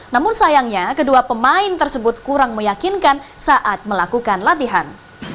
namun sayangnya kedua pemain tersebut kurang meyakinkan saat melakukan latihan